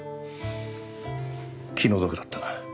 気の毒だったな。